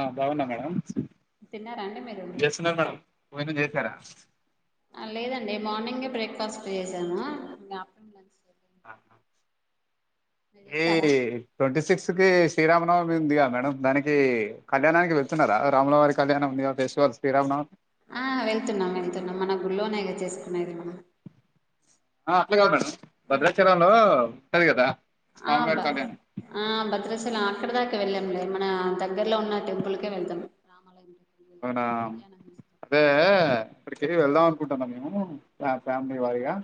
ఆ బాగున్నా మేడమ్ తిన్నారా అండి మీరు జేస్తున్న మేడమ్ [inaudible] జరా ఆ లేదండి మార్నింగే బ్రేక్ఫాస్ట్ చేసాము ఇంగ ఆ మీరు ఏ చేసారా ట్వంటీ సిక్స్ కకీ శ్రీరామనవమి ఉందిగా మేడం దానికీ కళ్యాణానికి వెళ్తున్నారా రాములవారి కళ్యాణం ఉందిగా ఫెస్టివల్ శ్రీరామనవమి ఆ వెళ్తున్నాం వెళతున్నాం మన గుల్లోనేగా చేసుకునేది మనం ఆ అట్లేగా మేడమ్ భద్రచలంలో ఉంటది కదా ఆ అబ్బ స్వామివారి కళ్యాణం ఆ భద్రాచల అక్కడ దాకా వెళ్ళాంలే మన దగ్గలో ఉన్న టెంపుల్కే వెళ్దాం రామాలయం టెంపుల్ అవునా వెళ్తే కళ్యాణం చేస్తాం అదే అక్కడికి వెళ్దాం అనుకుంటున్నా మేము ఫ్యామిలీ వారిగా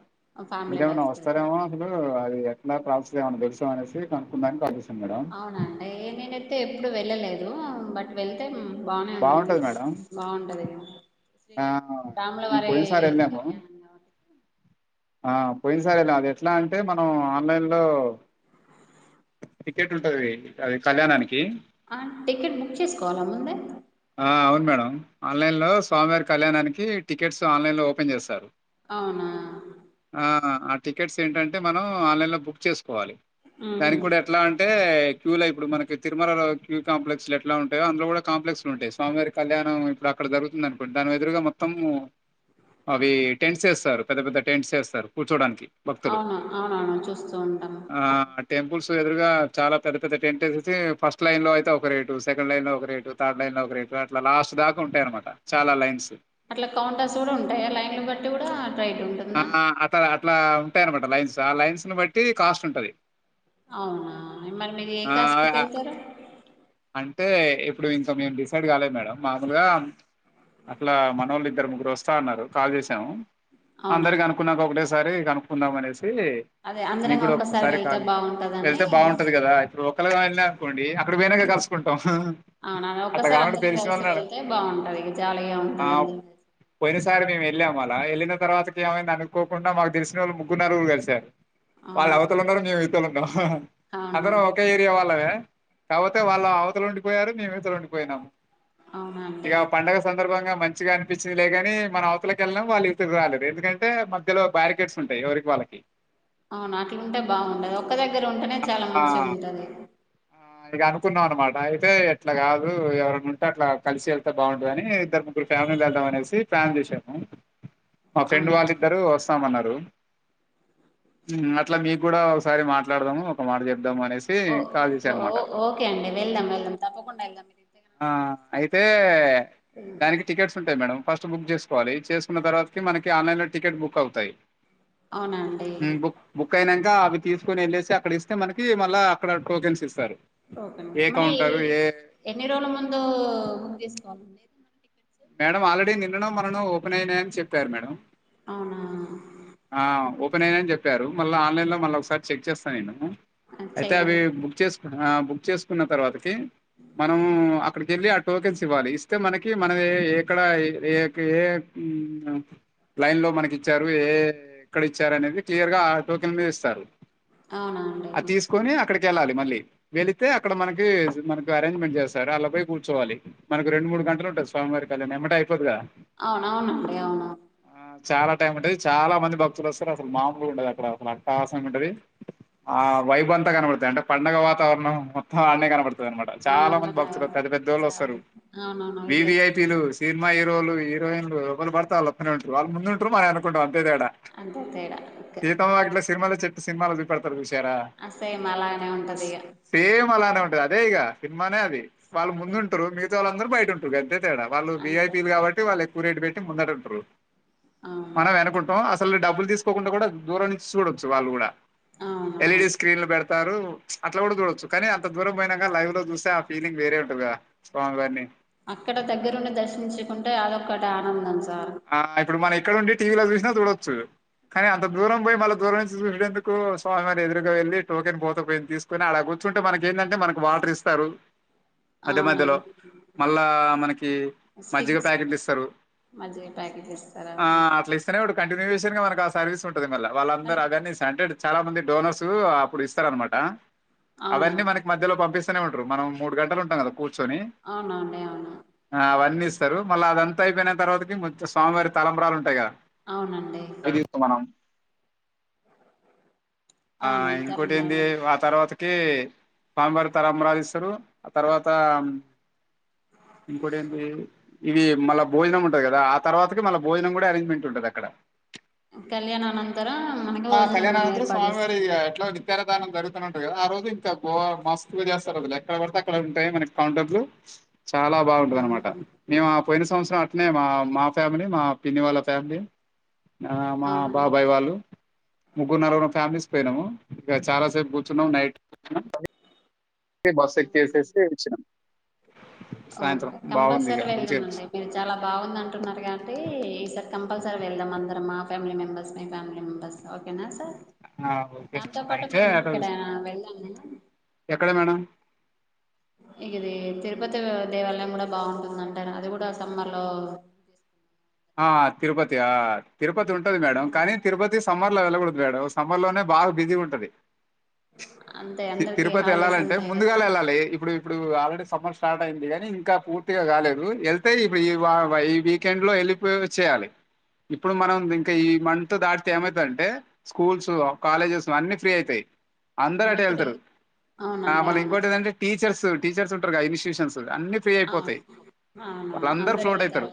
ఫ్యామిలీ మీరేమైనా వైస్ వెళ్తారు వస్తారేమో అసలు ఎట్లా కాల్స్ ఏమన్న తెల్సునా అనేసి కనుక్కుందాం కాల్ చేశా అవున అండి నేనైతే ఎప్పుడు వెళ్ళలేదు ఉమ్ బట్ వెళ్తే బానేవుంది అండి బాగుంటది మేడం బాగుంటది అండి శ్రీ ఆ మేము రాములవారి పోయినసారి వెళ్ళాము కళ్యాణం ఆ పోయిన సారి వెళ్ళాం అది ఎట్లా అంటే మనం ఆన్లైన్ లో టికెట్ ఉంటుంది అది కళ్యాణానికి ఆ టికెట్ బుక్ చేసుకోవాలా ముందే ఆ అవును మేడం ఆన్లైన్ లో స్వామివారి కళ్యాణానికి టికెట్స్ ఆన్లైన్ లో ఓపెన్ చేస్తారు అవునా ఆ ఆ టికెట్స్ ఏంటంటే మనం ఆన్లైన్లో బుక్ చేసుకోవాలి ఉహు దానికి కూడా ఎట్లా అంటే క్యూలో ఇప్పుడు మన తిరుమల క్యూ కాంప్లెక్స్ ఎట్లా ఉంటాయో అందులో కాప్లెక్స్ అన్ని ఉంటాయి స్వామివారి కళ్యాణం ఇప్పుడు అక్కడ జరుగుతుంది అనుకోంట దాని ఎదురుగా మొత్తం అవి టెంట్స్ వేస్తారు పెద్ద పెద్ద టెంట్స్ వేస్తారు కూర్చోడానికి భక్తులు అవునా అవునను చూస్తూ ఉంటాను ఆ టెంపుల్స్ ఎదురుగా చాలా పెద్ద పెద్ద టెంట్ ఎసి ఫస్ట్ లైన్లో అయితే ఒక రేటు సెకండ్ లైన్లో ఒక రేటు త అలైన్ లో ఒక రేటు అట్లా లాస్ట్ దాకా ఉంటాయి అనమాట చాలా లైన్స్ అట్లా కౌంటర్స్ కూడా ఉంటాయి లైన్లు బట్టి కూడా రైట్ ఆ ఉంటుందా అత అట్లా ానమాట లైన్స్ ఆ లైన్స్ ను బట్టి కాస్ట్ ఉంటది అవునా మరి మీరు ఏ ఆ కాస్ట్ కి వెళ్తారు అయితే ఇప్పుడు ఇంకా మేము డిసైడ్ కాలే మేడం మామూలుగా అట్లా మనోళ్ళ ఇద్దరు ముగ్గురు వస్తా అన్నారు కాల్ చేసాం అవునా అందరి కనుకున్నాక ఒకటే స సారి కనుక్కుందాం అనేసి అదే నీ అందరం కూడా ఒక్కసారి వెళ్తే కాదు బాగుంటదని వెళ్తే బాగుంటది కదా ఇ ఒకల్లిగా వెళ్తే బాగుంటది కదా ండి అక్కడ పోయినాక కలుసుకుంటాం అవునా అట్లా ఒక్కసారి కాకుండా అందరం తెలిసిన కలిసి వాళ్ళు వెళ్తే బాగుంటది జాలీగా ఉంటది అందరం కలిసి వెళ్ళాం అలా వెళ్ళిన తర్వాత ఏమైదోనుకోకుండా మాకు తెలిసిన వోళ్ళు ముగ్గురు నలుగురు కలిసారు వాళ్ళు అవతల అవునండి ఉన్నారు మేం ఇవతల ఉన్నాం అవునా అందరం ఒకే ఏరియా వాళ్ళమే కాకపోతే వాళ్ళు అవతలు ఉండిపోయారు మేమే ఇవతల ఉండిపోయినాము అవునండి ఇక పండగ సంత సందర్భంగా మంచిగా అనిపించిందిలే గాని మనం అవతలకి వెళ్లలేం వాళ్ళు ఇవతలకి రాలేరు అంది ఎందుకంటే మధ్యలో బ్యారికేడ్స్ ఉంటాయి ఎవరికి వాళ్ళకి అవును అట్లా ఉంటే బాగుండదు ఒక్క దగ్గర ఉంటేనే ఆ చాలా మంచిగా ఉంటది కున్నా అన్నమాట అంటే అట్లా కాదు ఎవరైనా ఉం అట్లా కలిసి వెళ్తే బాగుంటుంది అని ఇద్దరు ముగ్గురు ఫ్యామిలీ వెళ్దాం అనేసి ఫ్యాన్ చేసాము మా ఫ్రెండ్ అవునా వాళ్ళిద్దరూ వాస్తు రామన్నారు అట్లా మీకు కూడా ఒకసారి మాట్ మాట్లాడదాము ఒక మాట చె ఓఓ ఓకే అండి వెళ్దాం వెళ్దాం తప్పకుండా వెళ్దాం మీరు ఎ దానికి టికెట్స్ ఉంటాయి మేడం ఫస్ట్ బుక్ చేసుకోవాలి చేసుకున్న తర్వాతకి మనకి ఆన్లైన్లో టికెట్ బుక్ అవుతాయి అవునా అండి హ్మ్. బుక్ బుక్ అయినాక అవి తీసుకొని వెళ్ళసి చ అక్కడ ఇస్తే మనకి మల్ల అక్కడ టోకెన్స్ ఇస్తారు ఏ ఓకేనండి మన కౌంటరు ఏ ఎన్ని రోజుల ముందు బుక్ తీసుకోవాలండి మేడం ఆల్రెడీ నిన్ననో మొన్నానో ఓపెన్ అయినాయని చెప్పారు మేడం అవునా ఆ వోక్ ఓపెన్నయినాయి అని చెప్పారు మళ్ళ ఆన్లైన్లో మళ్ళ ఒకసారి చెక్ చేస్తా నేను అ అయితే అవి చెయ్యండి బుక్ చేసు ఆ బుక్ చేసుకున్న తర్వాతకి మనము అ అక్కడికి ఎల్లి ఆ టోకెన్స్ ఇవ్వాలి ఇస్తే మనకి మ మనదే అక్కడ ఏ లైన్ లో మనకి ఇచ్చారు ఎ ఎక్కడ ఇచ్చారు క్లియర్ గా టోకెన్ లో ఇస్తారు అవునా అంటే అది తీసుకొని అక్కడికి వెళ్ళాలి మళ్ళీ వెళితే అక్కడ మనకి మనకి అరేంజ్మెంట్ చేస్తారు అలా పోయి కూర్చోవాలి మనకి రెండు మూడు గంటలు ఉంటుస్తు స్వామివారి కళ్యాణం ఏమట అయిపోతుగా అవునవునండి అవును చాలా టైం ఉంటది చాలా మంది భక్తులు వస్తారు అసలు మామూలుగా ఉండది అక్కడ అసలు ఆసమ్ ఉంటది ఆ వైబ్ అంతా కనపడతాయి అంటే పండగ వాతావరణం మొత్తం ఆడనే కనపడుతా తే అనమాట అవును చాలా మంది భక్తులు పర్లేదు పెద్ద పెద్ద వాళ్ళు చాలు వస్తారు అవునవును ఇట్లా వివిఐపీ సినిమా హీరోలు హీరోయిన్లు ఎవరు పడితే వాళ్ళు ఓత్తనే ఉంటారు వాళ్ళ ముందు ఉంటారు మన వినకుంటం అంతే దిగడ అంతే తేడా ఓకే సీతమ్మ వాకిట్లో సీరిమల్లె చెట్టు సినిమాల చూపెడతారు చూసినావా ఎరా సేమ్ అలానే ఉంటది ఇగ సేమ్ అలా ఉంటది అదే ఇక సినిమానే అది వాళ్ళు ముందుంటారు మీరు చుటాలు అందరు బయటం స ఇవ్వే తేడా వాళ్ళు వాళ్ళు అంతే విఐపిలు కాబట్టి వాళ్ళ కూరేడి పెట్టి ముందటే ఉంటారు అవును మనం వెనకుట్టం అ అసలు డబ్బులు తీసుకోకుండా కూడా దూరం నుంచి చూడొచ్చు వాళ్ళు కూడా అవునా ఎల్ఈడి స్క్రీన్ లో బడత చారు అట్లా కూడా చూడొచ్చు కానీ అంత దూరం పోయినాక లైవ్ లో చూస్తే ఆ ఫీలింగ్ వేరే ఉంటంది క స్వామి గారిని ఇక్కడ దగ్గరుండి దర్శించుకుంటే అదొక్కటి ఆనందం సార్ ఆ ఇప్పుడు మన ఎక్కడ ఉడి టీవీలో చూసినా చూడొచ్చు కానీ అంత దూరం పోయి మళ్ళ దూరం నుంచి చూసేందుకు స్వామివారి ఎదురుగా వెళ్ళి టోకెన్ పోత పోయి తీసుకుొని అలా కూర్చుంటే మనకి ఏంటంటే మనకు వాటర్ ఇస్తారు మధ్య అవునా మధ్యలో మళ్ళా మనకి మజ్జిగ స్టిక్స్ ప్యాకెట్లు ఇస్తారు మజ్జిగ ప్యాకెట్ ఇస్తారా ఆ అట్లీస్డు కంటిన్యూ విష మన ఆ సర్వీస్ ఉంది ల్ వాళ్ళ మరి అందరు అగన్నని సాంటె చాలా మంది డోనర్స్ అప్పుడు ఇస్తారనమాట అవునా అవన్నీ మనకి మధ్యలో పంపిస్తూనే ఉంటాయి మనం మూడు గంటలుంటం కదా కూర్చొని అవునండి అవును అవన్నీ మళ్ళీ అదంత అయిపోయిన తర్వాతకి స్వామివారి తలంబ్రాలు ఉంటాయి కదా అవునండి అవి తీస్తాం మనం ఆ అవును ఇంకోటి ఏంది తెలంగాణలో ఆ తర్వాత అయితే పాంబారు తరం రాసిస్తారు ఆ తర్వాత ఇంకోటి ఏంటి ఇవి మళ్ళా భోజనం ఉంటుది కదా తర్వాతకి మళ్ళ భోజనం కూడా అరేంజ్మెంట్ ఉంటది అక్కడ కళ్యాణనంత ఆ కళ్యాణ అనంతరం స్వామివారి ఎట్లా నిత్య దానం జరుగుతుంటంది కదా ఆ రోజు ఇంక బా మస్తుగా చేస్తారు వాలు ఎక్కడ పడితే అక్కడ ఉంటాయి మనకి కౌంటర్లు చాలా బాగుంటంద అనమాట అవును మేము పోయిన సంవత్సరం అట్నే మా మా ఫ్యామిలీ మా పిన్ని వాళ్ళ ఫ్యామిలీ ఆ మా అవునా బాబాయి్ వాళ్ళు ముగ్గురు నరగు ఫ్యామిలీస్ పోయినాము ఇక చాలా సేపు కూర్చున్నాం నైట్ కూర్ సాయంత్రం ఓకే బాగుంది ఇక కంపల్సరీ మంచిగా వెళదాం అండి మీరు చాలా బాగుంది అంటున్నారు కాబట్టి ఈ స కంపల్సరీ వెళ్దాం అందరు మా ఫ్యామిలీ మేంబర్స్ మీ ఫ్యామిలీ మేంబర్స్ ఓకేనా సార్ ఆ ఓకే దాంతో పాటు అయితే మనం ఇక్కడ వెళ్దాం ఎక్కడ మేడం ఇది తిరుపతి దేవాలయం కూడా బాగుంటుంద అంటారు అది కూడా సమ్మర్ లో ఆ తిరుపతి ఆ తిరుపతి ఉంటుది మేడం కానీ అదే తిరుపతి సమ్మర్ వెళ్ళకూడదు మేడం సమ్మర్ లోనే బాగా బిజీ ఉంటది అంతే అందరికి తిరుపతి హాలిడేస్ వెళ్ళాలంటే ఉంటాయి కదా ముందుగానే వెళ్ళాలి ఇప్పుడు ఇప్పుడు ఆల్రెడీ సమ్మర్ స్టార్ట్ అయింది కానీ ఇంకా పూర్తిగా కాలేదు వెళ్తే ఇప్పుడు ఈ వీకెండ్ లో వెళ్ళి పోయో చేయాలి ఇప్పుడు మనం ఇంకా ఈ మతో దాటితే ఏమైతుంటే స్కూల్స్ కాలేజెస్ అన్నీ ఫ్రీ అయితాయి అందరు అన్ని అటే ఫ్రీ వెళ్తారు అవునండి మళ్ళీ అవును ఇంకోటి ఏదంటే టీచర్స్ టీచర్స్ ఉంటారు గా ఇస్టిటూషన్స్ అన్ని ఫ్రీ అవును అయిపోతాయి అవును వాళ్ళందరు అందరు ఫ్లూట్ వెళ్తారు అయితారు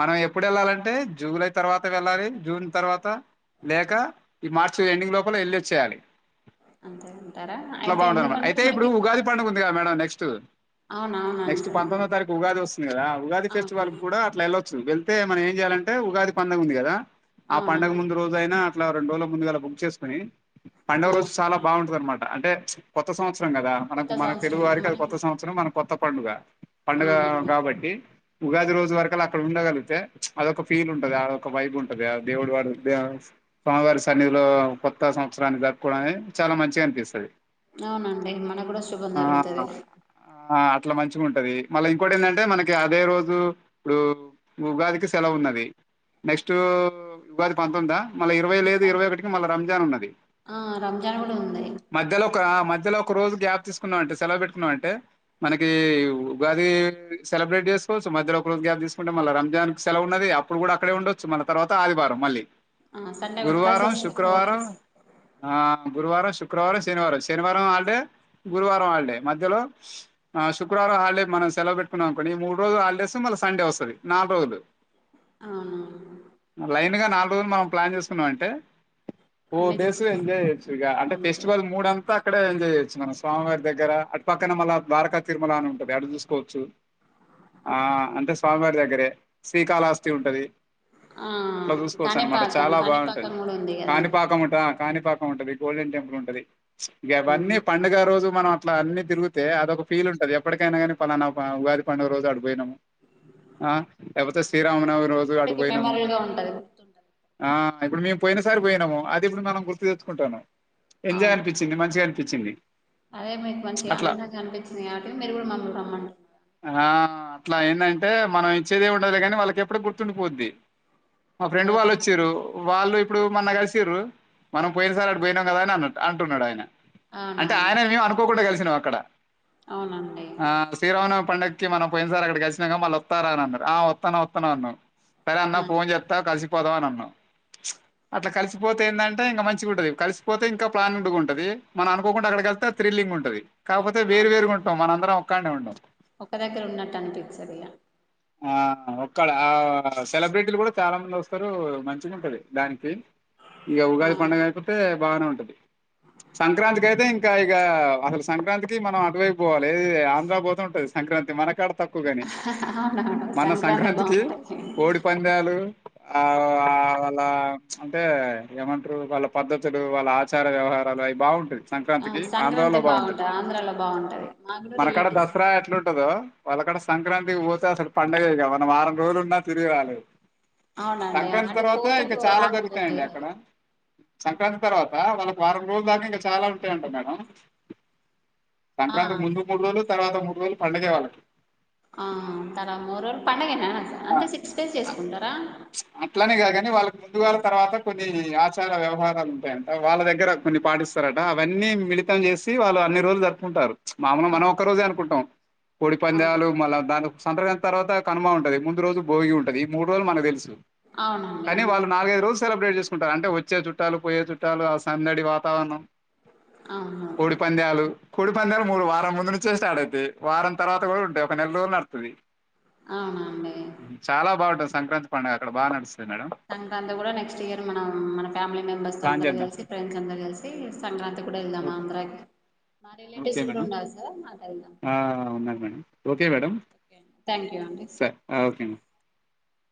మనం ఎప్పుడు వెళ్లలంటే అంటే జూలై తర్వాత వెళ్ళాలి జూన్ తర్వాత లేక ఈ మార్చి ఎండింగ్ లోపల వెళ్లిి వచ్చేయాలి అంతే ఉంటారా అట్లా అయితే బాగుంటను మేడం ఎందుకంటే అయితే ఇప్పుడు మనకి ఉగాది పండుగ ఉంది కదా మేడం నెక్స్ట్ క్స్ట్ అవున అవునండి నెక్స్ట్ సార్ పంతొమ్మిదో తారీఖు ఉగాది వస్తుంది కదా ఉగాది అవును ఫెస్టివల్ కూడా అట్లా ఎలా వెళ్తే మనం ఏం చేయాలంటే ఉగాది పందగ ఉంది కదా ఆ పంండగ అవునండి ముందు రోజ అయినా ఇట్లా రెండు రోజుల ముందుగాలా బుక్ చేసుకొని పండగ ఆ రోజు చాలా బాగుంటది అన్నమాట అంటే కొత్త సంవత్సరం కదా కొత్త మనకు మన తెలుగు సంవత్సరం వారికి అది మనకి కొత్త సంవత్సరం మన కొత్త పండుగా పండుగ అవునండి కాబట్టి ఉగాది రోజు వరకు అలా అక్కడ ఉండగలిగితే అదొక ఫీల్ ఉంటుది అదొక వైబ్ ఉంటది ఆ దేవుడు వాడు స్వామివారి సన్నిధిలో కొత్త సంవత్సరాన్ని జరుపుకోవడం అనేది చాలా మంచిగా అనిపిస్తుంది అవునండి మన కూడా శుభం జరుగుతది ఆ అట్లా మంచిగా ఉంటది మళ్ళ ఇంకోటి ఏందంటే మనకి అదే రోజు ఇప్పుడు ఉగాదికి సెలవు ఉన్నది నెక్స్ట్ ఉగాది పంతొమ్మిందా మళ్ళ ఇరవై ఆ లేదు పం- ఇరవై ఒకటికి మళ్ళ రంజాన్ ఉన్నది ఆ, రంజాన్ కూడా ఉంది మధ్యలో ఒక మధ్య మధ్యలో ఒక రోజు గ్యాప్ తీసుకున్నాం అంటే సెలవు పెట్టుకున్నాం అంటే మనకి ఉగాది సెలబ్రేట్ చేసుకోవచ్చు మధ్యలో ఒక రోజు గ్యాప్ తీసుకు కుంటే మళ్ళ రంజాన్ కి సెలవు ఉన్నది అప్పుడు కూడా అక్కడే ఉండొచ్చు మల్ల తర్వాత ఆదివారం మళ్ళీ ఆ సండే కూడా కలిసి గురువారం వస్తాయి ఫోర్ శుక్రవారం డేస్ ఆ గురువారం షి శుక్రవారం శనివారం శనివారం హాలిడే గురువారం హాలిడే మధ్యలో శుక్రవారం హాలిడేకి మనం సెలవు పెట్టుకున్నామనుకో ఈ మూడు రోజు హాలిడేస్ మళ్ళీ సండే వస్తది నాటదు అవునాను లైన్గా నాలుగు రోజులు మనం ప్లాన్ చేసుకున్నాం అంటే ఓ అన్నీ బేస్ చూసేసి ఎంజాయ్యొచ్చు ఇక అంటే ఫెస్టివల్ మూడ అంతా అక్కడే ఎంజాయొచ్చు మనం స్వామివారి దగ్గర అటు పక్కన మళ్ళ ద్వారకా తిరుమల అని ఉంటది అక్క చూసుకోవచ్చు ఆ అంటే స్వామివారి దగ్గర దగ్గరే శ్రీకాళాస్తి ఉంటది ఆ అట్లా చూసుకోవచ్చ అనమాట కాణిపాకం చాలా బాగుంటుంది కాణిపాకం కూడా ఉంది కదా కాణిపాకం ఉంటా కాణిపాకం ఉంటుంది గోల్డె టంపుల్ ఉంటుది ఇంక అవన్నీ పండుగ రోజు మనం అట్లా అన్ని తిరిగితే అదిఒక ఫీల్ ఉంటది ఎప్పటికైనా కానీ పలానా ఉగాది పండుగ రోజు అడిపోయినాము ఆ ఎవపోతే శ్రీరామనవమి రోజు ఎప్పటికి అడుపోయినాము మెమొరబుల్ గా ఉంటది గుర్తుంటది ఆ ఇప్పుడు మేము పోయిన సారి పోనాము అది ఇప్పుడు మనం గుర్తు తెచ్చుకుంటాను ఎంజాయ్ అవును అనిపించింది మంచిగా అనిపించింది చూపచ్చింది అదే మీకు మంచి ఆనందంగా అనిపించింది కాబట్టి మీరు కూడా మమ్మల్ని రమ్మంటార్ ఆ అట్లా ఏంటంటే మనం ఇచ్చేదే ఏమీ ఉండదులే కాని వాళ్ళకి ఇప్పుడు గుర్తుండిపోద్ది మా ఫ్రెండ్ అదొక వాళ్ళు వచ్చారు వాళ్ళు ఇప్పుడు మన్న కలిసిరారు మనం పోయిన సార్ అ పోయినాం కదా అని అ అంటున్నాడు ఆయన అంటే అవునవును ఆయన మేము అనుకోకుండా కద అక్కడ అవునండి ఆ శ్రీరామనవమి పండగ మనంయి సార్ అక్కడ కలినక మన వత్తారా అన్నారు ఆ వత్తన వత్తన అన్నా సరే అన్న ఆ ఫోన్ చెప్త కలిసి పోదాం అని అన్నా అట్లా కలిసిపోతే ఏందంటే ఇంకా మంచిగా ఉంటంది కలిసిపోతే ఇంకా ప్లానింగ్డ్గా ఉంటది మనం అనుకోకుండా అక్కడకి వెళ్తే థ్రిల్లింగ్ ఉంటది కాకపోతే వేరు అవునండి వేరుగా ఉంటాం మనందరం కండా ఉండో ఒక దగ్గర ఉన్నట్టు అనిపిసరిగా ఆ ఒక్కళ ఆ సెలబ్రిటీలు కూడా చాలా మంది వస్తారు మంచిగా ఉంటది దానికి ఈక ఉగాది అవును పండగ అయికతే బాగానే ఉంటది సంక్రాంతికి అయితే ఇంకా ఇక అసలు సంక్రాంతికి మనం అటువైపోవాలి ఏ ఆంధ్రాబోతే ఉంటంది సంక్రాంతి మన కాడ తక్కువగానే అవునవును మన సంక్రాంతి సంక్రాంతికి బాగుంటది కోడి పందాలు ఆ వాళ్ళ అంటే ఏమంటారు వాళ్ళ పద్ధతులు వాళ్ళ ఆచార వ్యవహారాలు అవి బాగుంటాది ఆ సంక్రాంతి బాగుంట ఆంధ్రాలో బాగుంటది మాకుడ రిలేటివ్స్ ఉన్నారు వాళ్ళక్కడ సంక్రాంతి పోతా అసలు పంండగగా మనం వారం రోజులున్నా తిరిగి రాలేదు అవునండి సంక్రాంతి అటు తర్వాత పోతే ఇంకా పో చాలా రాకపోతే దొరుగుతాయండి అక్కడ సంక్రాంతి అవును తర్వాత వాళ్ళ వారం రోజుల దాకా ఇంకా చాలా ఉంటాయంట మేడం ఆ సంక్రాంతి ముందు మూడ్రోజుల తర్వాత మూడు రోజులు పండగే వాళ్ళకి ఆ తరమరురు పండగనా ఆ అంటే సిక్స్ డేస్ చేసుకుంటారా అట్లనే కాదు కాని వాళ్ళకి ముందుగాల తర్వాత కొన్ని ఆచార వ్యవహారాలు ఉంటాయంట వాళ్ళ దగ్గర కొన్ని పాటిస్తారట అవన్నీ మిలితం చేసి వాళ్ళు అన్ని రోజులు జరుపుకుంటారు మామూలుగా ఆ, మనం ఒకక్క రోజే అనుకుంటాం కోడి అవును పందాలు మళ్ళా దాని సంక్రాంతి తర్వాత కనుమా ఉంటుంది ముందు రోజు భోగి ఉంటది ఈ మూ రోజులునకు తెలుసు అవునండి కానీ వాళ్ళు మూడు నాలుగైదు రోజు సెలబ్రేట్ చే తీూసుకుంటారు అంటే వచ్చే చుట్టాలు పోయే చుట్టాలు ఆ సందడి వాతావరణం అవును కోడి పందేలు కుడి పందేలు మూడు వారం ముందు నుంచే స్టార్ట్ అవుతాయి వారం తర్వాత కూడా ఉంటాయి ఒక నెల రోజులు నడుతుంది అవునా సంక్రాంతి పండగ అక్కడ బాగ నడుస్తది మేడం సంక్రాంతి కూడా నెక్స్ట్ ఇయర్ మనం మన ఫ్యామిలీ మెంబర్స్ ప్లాన్ అందరూ చేద్దాం కలిసి ఫ్రెండ్స్ అందరు కలిసి సంక్రాంతి కూడా ఇల్దామాంద్ర ఓకే మేడం ఉన్నా madam okay madam thank you అండి సర ఓకే మ